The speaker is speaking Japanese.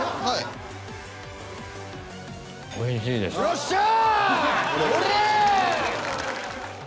よっしゃ！